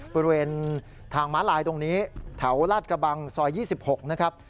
บริเวณทางม้าลายตรงนี้แถวลาดกระบังซอย๒๖นะครับ